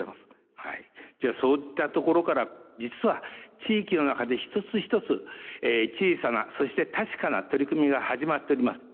はいじゃあそういったところから実は地域の中で一つ一つ小さなそして確かな取り組みが始まっております。